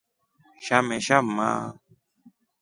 Shamesha mma.